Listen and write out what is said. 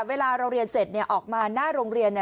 เวลาเราเรียนเสร็จออกมาหน้าโรงเรียน